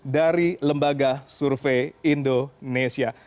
dari lembaga survei indonesia